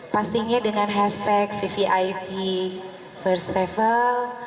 pastinya dengan hashtag ppip pest travel